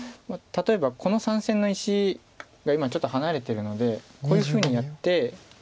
例えばこの３線の石が今ちょっと離れてるのでこういうふうにやって。